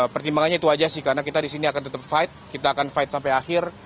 pertimbangannya itu aja sih karena kita disini akan tetap fight kita akan fight sampai akhir